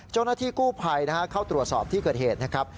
เจ้าหน้าที่กู้ภัยเข้าตรวจสอบที่เกิดเหตุนะครับ